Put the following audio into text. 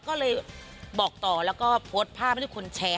ก็เลยบอกต่อแล้วก็โพสต์ภาพให้ทุกคนแชร์